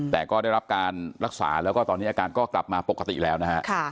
แต่ก็ได้รับการรักษาแล้วก็ตอนนี้อาการก็กลับมาปกติแล้วนะฮะ